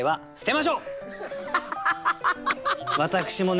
私もね